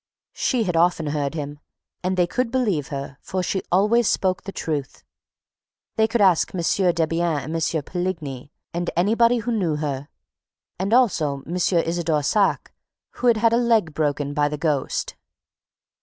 She had often heard him; and they could believe her, for she always spoke the truth. They could ask M. Debienne and M. Poligny, and anybody who knew her; and also M. Isidore Saack, who had had a leg broken by the ghost!